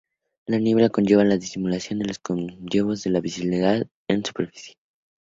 La niebla conlleva la disminución de las condiciones de visibilidad en superficie.